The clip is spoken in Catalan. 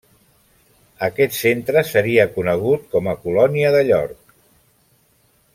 Aquest centre seria conegut com a Colònia de York.